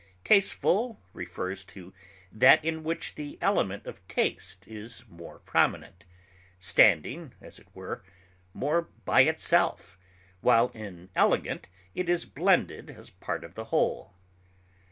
Tasteful refers to that in which the element of taste is more prominent, standing, as it were, more by itself, while in elegant it is blended as part of the whole.